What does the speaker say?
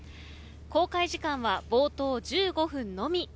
公開時間は冒頭１５分のみ。